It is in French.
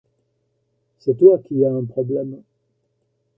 C’est toi qui as un problème.